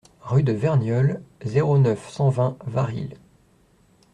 Route de Verniolle, zéro neuf, cent vingt Varilhes